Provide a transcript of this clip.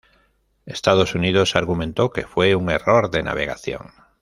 Estados Unidos argumentó que fue un error de navegación.